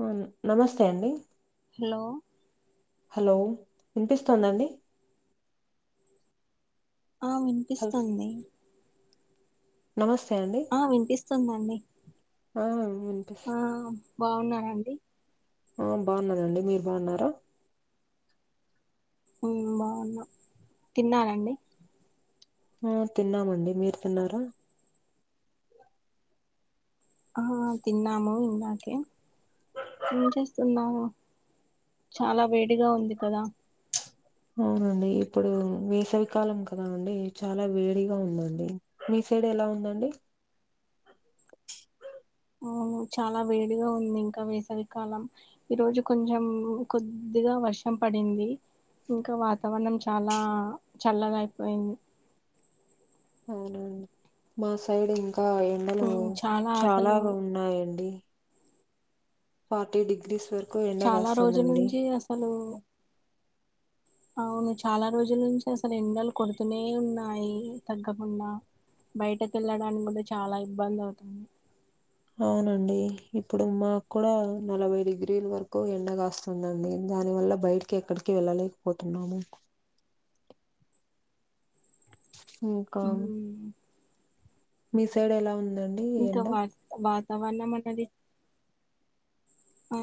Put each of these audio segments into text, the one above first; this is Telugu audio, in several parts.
అవును నమస్తే అండి హలో హలో వినిపిస్తుందా అండి ఆ వినిపిస్తది నమస్ ఆ వినిపిస్తుందండి ఆ వినిపిస్ బాగున్నరా అండి ఆ బాగున్ననండి మీరు బాగున్నారా మ్ బాగున్నా తిన్నారా అండి ఆ తిన్నామండి మీరు తిన్నారా ఆ తిన్నాము ఇందకే ఏం చేస్తున్నావ్ చాలా వేడిగా ఉంది కదా అవునండి ఇప్పుడు వేసవికాలం కదా అండి చాలా వేడిగా ఉందండి మీ సై డ్ ఎలా ఉందండి చాలా వేడిగా ఉంది ఇంకా వేసవికాలం ఈ రోజు కొంచెం కొద్దిగా వర్షం పడింది ఇంకా వాతావరణం చాలా చల్లగా అయిపోయింది అవునండి మా సైడ్ ఇంకా ఎండలు ఉమ్, చాలా అసలు ఉన్నాయండి ఫార్టీ డిగ్రీస్ వరకు చాలా రోజుల ఎండగాస్తాదండి నుంచి అసలు అవును చాలా రోజుల నుంచి అసలు ఎండలు కొడుతూనే ఉన్నాయి తగ్గకుండా బయటకు వెళ్ళడానికి కూడా చాలా ఇబ్బంది అవుతుంది అవునండి ఇప్పుడు మాకు కూడా నలభై డిగ్రీల వరకు ఎండగాస్తుందండి దానివల్ల బయటికి ఎక్కడికి వెళ్ళలేకపోతున్నాము ఇంకా ఉమ్, మీ సైడ్ ఎలా ఉం ఇంకా వాత వాతావరణం అనేది ఆ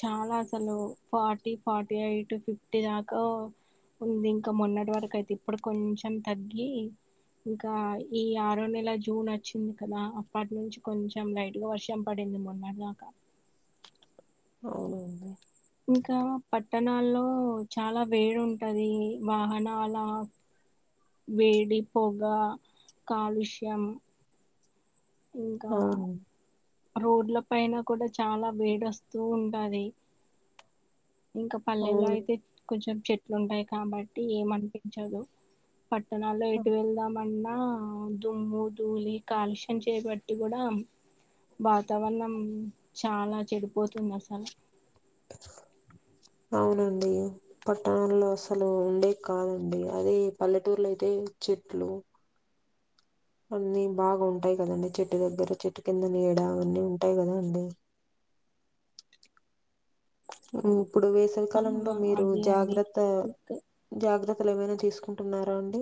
చాలా అసలు ఫార్టీ ఫార్టీ ఎయిట్ ఫిఫ్టీ దాకా ఉంది ఇంకా మొన్నటి వరకు అయితే ఇప్పుడు కొంచెం తగ్గి ఇంకా ఈ ఆరో నెల జూన్ వచ్చింది కదా అప్పటి నుంచి కొంచెం లైట్ గా వర్షం పడి ది మొన్నటి దాక అవున అండి ఇంకా పట్టణాల్లో చాలా వేడి ఉంటది వాహనాల వేడిపోగా కాలుష్యం ఇంకా అవును. రోడ్ల పైన కూడా చాలా వేడస్తూ ఉంటది ఇంకా పల్లెలో అవును. అయితే కొంచెం చెట్లు ఉంటాయి కాబట్టి ఏమనిపించదు పట్టణాల్లో ఎటు వెళ్దాం అన్నా ఆ దుమ్ము ధూలి కాలుష్యం చేయబట్టి కూడా వాతావరణం చాలా చెడిపోతుంది అసలు అవునండి పట్టణంలో అసలు ఉండే కాదండి అదే పల్లెటూర్లో అయితే చెట్లు అన్నిీ బాగా ఉంటాయి కదండి చెట్టు దగ్గర చెట్టు కింద నీడ అవన్నీ ఉంటాయి కదా అండి ఇప్పుడు వేసవి ఆ కాలంలో మీరు అదే అండి జాగ్రత్త ఇంకా జాగ్రత్త త్తలు ఏమైనా తీసుకుంటున్నారా అండి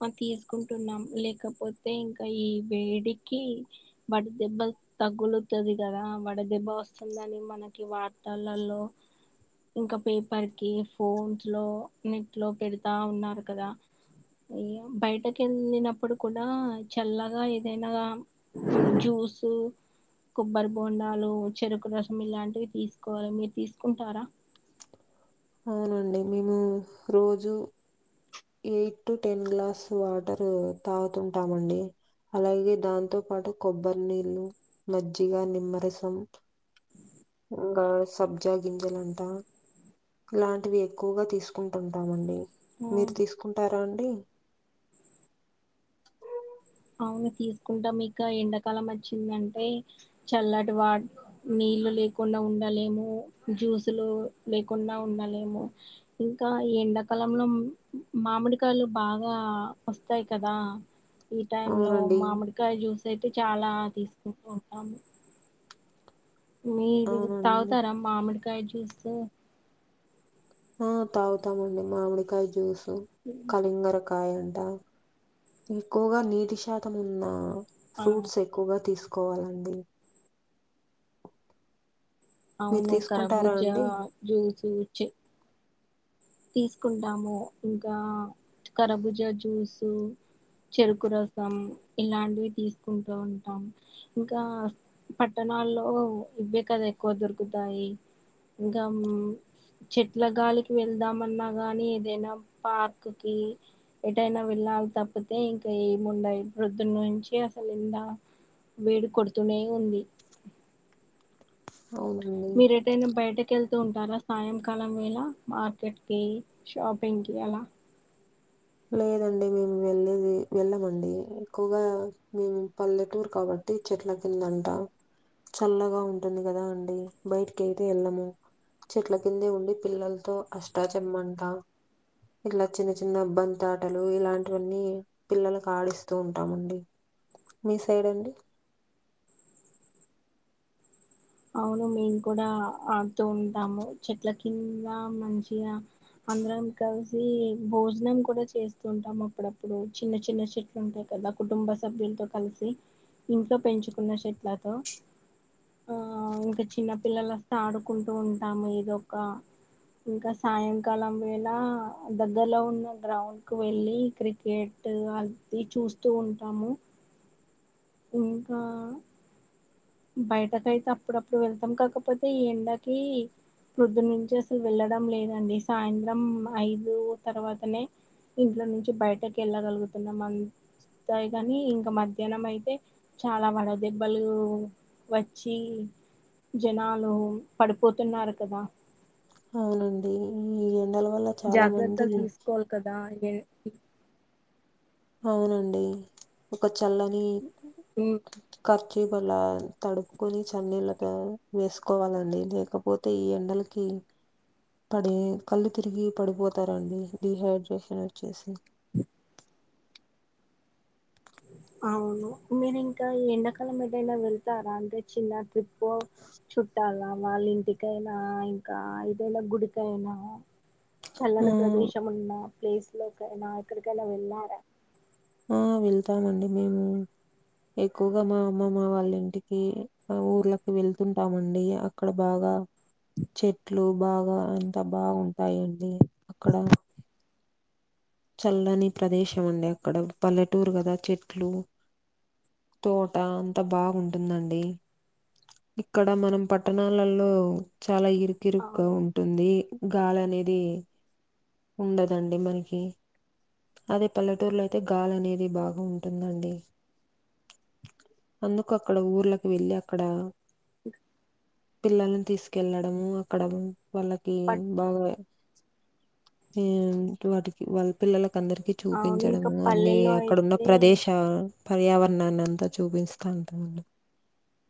మ తీసుకుంటున్నాం లేకపోతే ఇంకా ఈ వేడికి వడ దెబ్బ తగ్గులుతది కదా వడదెబ్బా వస్తుందని మనకి వార్తల్లళ్ళో ఇంకా పేపర్ కి ఫోన్స్ లో నెట్ లో పెడతా ఉన్నారు కదా ఇగ బయటకి వెళ్ళినప్పుడు కూడా చల్లగా ఏదైనా జ్యూస్ స్ కొబ్బరి బొండాలు చెరుకు రసం ఇలాంటివి తీసుకోవాలి మీరు తీసుకుంటారా అవునండి మేము రోజు eight to ten glass water తాగుతుంటామండి అలాగే దాంతో పాటు కొబ్బరి నీళ్ు మజ్జిగా నిమ్మరసం ఇంగ సబ్జా గింజలంట ఇలాంటివి ఎక్కువగా తీసుకుంటుంటామండి మీరు తీసుకుంటారా అండి అవును తీసుకుంటాం ఇకా ఎండాకాలం వచ్చిందంటే చల్లటి వా నిల్ లేకుండా ఉండలేము జ్యూస్ లు లేకుండా ఉండలేము ఇంకా ఎ ఎండాకాలంలో మామిడికాయలు బాగా వస్తాయి కదా ఈ టైం లో అవునండి. మామిడికాయ జ్యూస్ అయితే చాలా తీసుకుంటూ ఉంటాము మీరు అవునండి. తాగుతారా మామిడికాయ జ్యూస్ ఆ తాగుతామండి మామిడికాయ జ్యూసు కలింగర కాయంట ఎక్కువగా నీటి శాతం ఉన్నా ఆ ఫ్రూట్స్ ఎక్కువగా తీసుకోవాలండి మీరు అవును తీసుకుంటారా కరాబుజ్జ అండి? జూస్ చ్చ తీసుకుంటాము ఇంకా కరభుజా జ్యూసు చెరుకు రసం ఇలాంటివి తీసుకుంటూ ఉంటాం ఇంకా పట్టణాల్లో ఇవే కదా ఎక్కువ దొరుకుతాయి ఇంకా చెట్ల గాలికి వెళ్దాం ఏమన్నా కని ఏదైనా పార్క్ కి ఎటైనా వెళ్ళాలి తప్పితే ఇంకా ఎం ముం యి పోద్దు నుంచి అసలు ఎండ వేడి కొడుతూనే ఉంది అవునండి. మీరేటైన బయటకేళ్ తుంటారా సాయంకాలం వేళ మార్కెట్కి షాపింగ్కి అలా లేదండి మేము వెళ్ళేది వెళ్ళమండి ఎక్కువగా మేము పల్లెటూర్ కాబట్ ట్టి చెట్ల కిందుంట చల్లగా ఉంటుంది కదా అండి బయటికి అయితే వెళ్ళము చెట్ల కింద ఉండి పిల్లలతో అష్టా చెమ్మంటా ఇలా చిన్న చిన్న బం తాటలు ఇలాంటివన్నీ పిల్లలకు ఆడిస్తూ ఉంటామండి మీ సైడ్ అండి అవును మేము కూడా ఆడుతూ ఉంటాము చెట్లకి ఇంగ మంచిగా అందరం కల్సి భోజనం కూడా చేస్తుంటాం అప్పుడ డప్పుడు చిన్న చిన్న చెట్లు ఉంటాయి కదా కుటుంబ సభ్యుల్తో కల్సి ఇంట్లో పెంచుకున్న చెట్లతో ఎ ఆ ఇంకా చిన్న పిల్లలస్తే ఆడుకుంటూ ఉంటాము ఏదో ఒకా ఇంకా సాయంకాలం వేళ దగ్గర్లో ఉన్న గ్రౌండ్కు వెళ్ళి క్రికెట్ అది చూస్తూ ఉంటాము. ఇంకా... బయటకైతే అప్పుడప్పుడు వెళ్తాం కాకపోతే ఈ ఎండకీ ప్రొద్దున్ నుంచి అసలు వెళ్ళడం లేదండి సాయంత్రం ఐదు తర్వాతనే ఇంట్లో నుంచి బయటకు ఎళ్ళగలుగు న్నాం అంతే కనీ ఇంకా మధ్యాహ్నం అయితే చాలా వడ దెబ్బలూ వచ్చీ జనాలు పడిపోతున్నారు కదా అవునండీ ఈ ఎండలు జాగ్రత్తల్ తీస్కోవాల్ కదా ఏ అవునండి ఒక చల్లని ఉమ్, కర్ చీప్ అలా తడుపుకొని చన్నీళ్ళతో వేస్కోవాలండి లేకపోతే ఈ ఎండలకి పడే కళ్ళు తిరిగి పడిపోతారండి డిహైడ్రేషన్ వచ్చేసి అవును మీరింకా ఈ ఎండాకాలం ఎటైనా వెళ్తారా అంటే చిన్న ట్రిప్ ఓ చుట్టాల వాళ్ళింటికైనా, ఇంకా ఏదైనా గుడికైనా ఆ చల్లని ప్రదేశమున్న ప్లేస్లోకైనా ఎక్కడికైనా వెళ్ళారా? ఆ వెళ్తామండి మేము. ఎక్కువగా మా అమ్మమ్మ వాళ్ళింటికి ఆ ఊర్లకి వెళ్తుంటామండి అక్కడ బాగా గా చెట్లు బాగా అంత బాగుంటాయండి అక్కడ చల్లని ప్రదేశం అండి అక్కడ పల్లెటూర్ గదా చెట్లు తోట అంత బాగుంటుందండి. ఇక్కడ మనం పట్టణాలల్లో చాలా ఇరుకిరుక్గా అవును ఉంటుంది. గాలనేది ఉండదండి మనకీ అదే పల్లెటూర్లైతే గాలనేది బాగా ఉంటుందండి. అందుకు అక్కడ ఊర్లక్ వెళ్ళి అక్కడా పిల్లలన్ తీస్కెళ్ళడము అక్కడ వాళ్ళకి పట్ బాగా ఏన్ వాటికి వాళ్ళ పిల్లలక్ కందర్కి అవును ఇంకా చూపించడము అన్నీ పల్లెల్లో అక్కడున్న అయితే ప్రదేశా పర్యావరణాన్ని అంతా చూపింతా అంతక్ ముందు.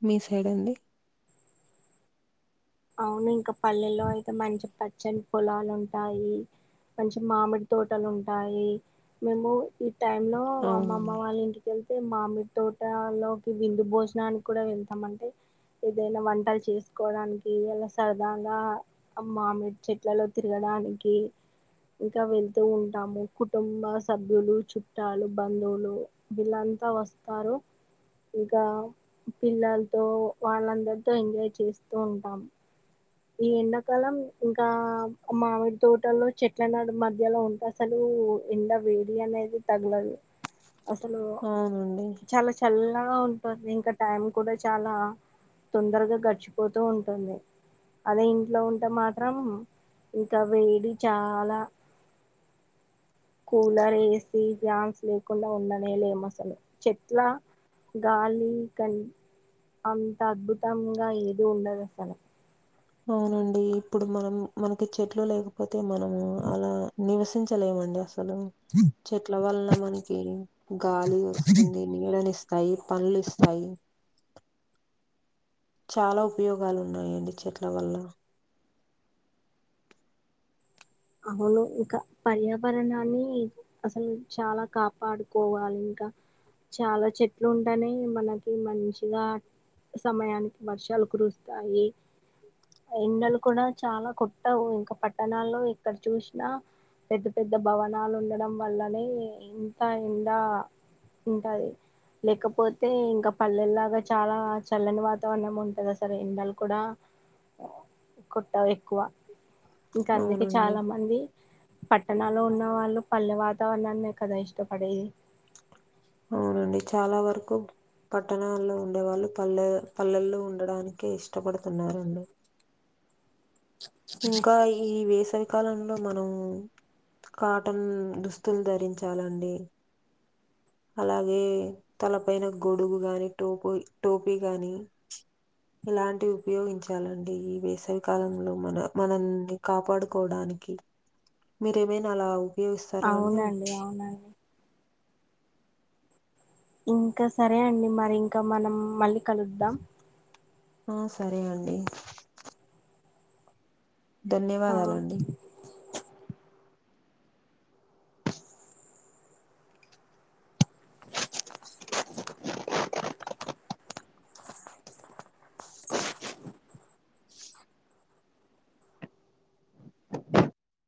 మీ సైడ్ అండి ఎ అవును ఇంకా పల్లెల్లో అయితే మంచి పచ్చన్ పొలాలుంటాయి. మంచి మామిడి తోటలుంటాయి. మేము టైమ్లో అమ్మమ్మ అవునండి. వాళ్ళ ఇంటికెల్ అయితే మామిడి తోటా లోకి విందు భోజనానిక్ కూడా వెళ్తామండి. ఏదైనా వంటల్ చేస్కోవడానికి ఈ అలా సరదాగా ఆ మామిడి చెట్లలో తిరగడానికీ ఇంకా వెళ్తూ ఉంటాము. కుటుంబ సభ్యులు, చుట్టాలు, బంధువులు వీళ్ళన్ లంత వస్తారు. ఇంకా పిల్లల్తో వాళ్ళందర్తో ఎంజాయ్ చేస్తూ ఉం టం ఈ ఎండాకాలం ఇంకా మామిడి తోటల్లో చెట్ల నాడు మధ్యలో ఉంటే అసలు కు ఎండా వేడి అనేది తగలదు అసలు అవునండి. చాలా చల్ ఇలా ఉంటుంది ఇంకా టైం కూడా చాలా తొందరగా గడిచిపోతూ ఉంటుంది అదే ఇంట్లో ఉంటే మాత్రం ఇంకా వేడి చాలా కూలర్ ఏసీ గ్యాన్స్ లేకుండా ఉండనే లేము అసలు చెట్ల గాలి క అంత అద్భుతంగా ఏది ఉండదు అసలు అవునండి ఇప్పుడు మనం మనకి చెట్లు లేకపోతే మనము అలా నివస సించలేమండి అసలు చెట్ల వలన మనకి గాలి వస్తుంది నీడనిస్తాయి పండ్లు ఇస్తాయి చాలా ఉపయోగాలు ఉన్నాయండి చెట్ల వల్ల అవును ఇంకా పర్యావరణాన్ని అసలు చాలా కాపాడుకోవాలి చాలా చెట్లు ఉంటేనే మనకి మంచిగా సమయానికి వర్షాలు కురుస్తాయి ఎండలు కూడా చాలా కోట్టవు ఇంకా పట్టణాల్లో ఎక్కడ చూసినా పెద్ద పెద్ద భవనాలు ఉండడం వల్లనే ఇంత ఎండా ఉంటది లేకపోతే ఇంకా పల్లెల్లాగా చాలా చల్లని వాతావరణం ఉంటది అసలు ఎండలు కూడా కొట్టావు ఎక్కువ ఇంకా అందుకే అవునండి చాలా మంది పట్టణాళ్ళో ఉన్న వాళ్ళు పల్లె వాతావరణాన్ని కదా ఇష్టపడేది అవునండి చాలా వరకు పట్టణాల్లో ఉండేవాళ్ళు పల్లె పల్లెల్లో ఉండడానికే ఇష్టపడుతున్నరండి ఇంకా ఈ వేసవికాలం లో మనం కాటన్ దుస్తులు ధరించాలండి అలాగే తలపైన గొడుగు గాని టోపు టోపీ గాని ఇలాంటి ఉపయోగించాలండి ఈ వేసవి కాలంలో మన మనల్ని కాపాడుకోవడాని కి మీరేమైన అలా ఉపయోగిస్తారా అండి అవునండి అవునండి ఇంకా సరే అండి మరి ఇంకా మనం మళ్ళీ కలుద్దాం ఆ సరే అండి ఆ ధన్యవాదాలండి